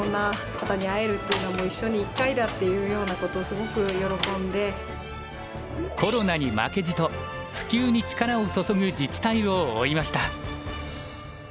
お子さんがコロナに負けじと普及に力をそそぐ自治体を追いました。